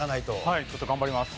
はい頑張ります。